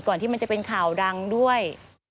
ก่อนที่จะเป็นข่าวดังด้วย